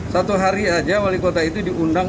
satu hari aja wali kota itu diundang